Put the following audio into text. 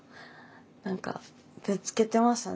何かぶつけてましたね。